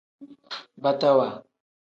Batawa.